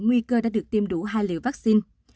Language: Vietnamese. nguy cơ đã được tiêm đủ hai liều vaccine